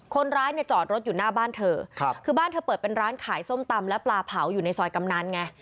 คนร้ายเนี่ยจอดรถอยู่หน้าบ้านเธอคือบ้านเธอเปิดเป็นร้านขายส้มตำและปลาเผาอยู่ในซอยกำนันไง